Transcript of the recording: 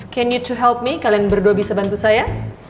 can you to health me kalian berdua bisa bantu saya